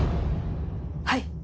はい。